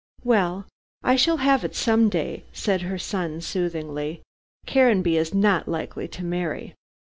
"Well, I shall have it some day," said her son soothingly. "Caranby is not likely to marry."